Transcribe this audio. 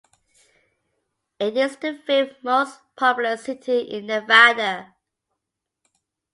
It is the fifth most populous city in Nevada.